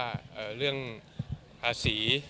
เรื่องภาษี